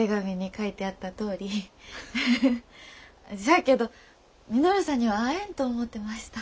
しゃあけど稔さんには会えんと思うてました。